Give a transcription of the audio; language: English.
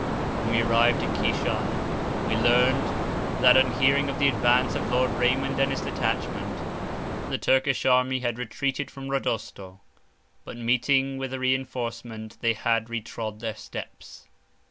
When we arrived at Kishan, we learnt, that on hearing of the advance of Lord Raymond and his detachment, the Turkish army had retreated from Rodosto; but meeting with a reinforcement, they had re trod their steps.